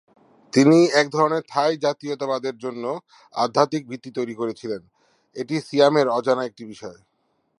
তিনি এক ধরনের থাই জাতীয়তাবাদের জন্য আধ্যাত্মিক ভিত্তি তৈরি করেছিলেন, এটি সিয়ামের অজানা একটি বিষয়।